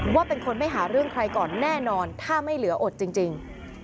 ว่าเป็นคนไม่หาเรื่องใครก่อนแน่นอนถ้าไม่เหลืออดจริง